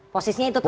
posisi itu tetap ya